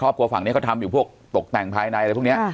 ครอบครัวฝั่งเนี่ยเขาทำอยู่พวกตกแต่งภายในอะไรพวกเนี้ยค่ะ